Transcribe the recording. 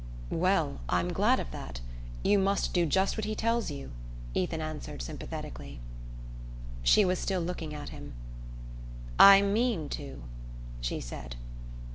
"Well, I'm glad of that. You must do just what he tells you," Ethan answered sympathetically. She was still looking at him. "I mean to," she said.